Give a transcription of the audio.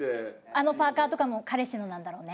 あのパーカーとかも彼氏のなんだろうね。